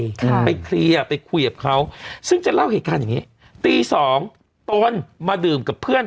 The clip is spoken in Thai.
ค่ะไปเคลียร์ไปคุยกับเขาซึ่งจะเล่าเหตุการณ์อย่างงี้ตีสองตนมาดื่มกับเพื่อน